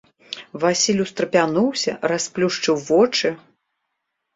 Васіль устрапянуўся, расплюшчыў вочы.